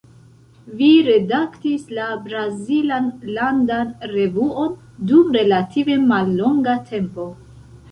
Vi redaktis la brazilan landan revuon dum relative mallonga tempo.